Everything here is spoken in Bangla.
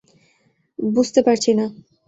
বুঝতে পারছি না।